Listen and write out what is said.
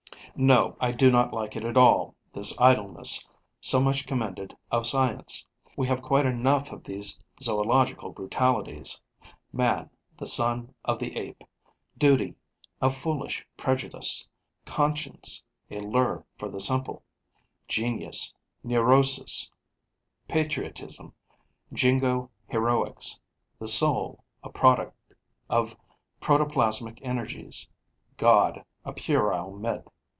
No, I do not like it at all, this idleness so much commended of science. We have quite enough of these zoological brutalities: man, the son of the Ape; duty, a foolish prejudice; conscience, a lure for the simple; genius, neurosis; patriotism, jingo heroics; the soul, a product of protoplasmic energies; God, a puerile myth.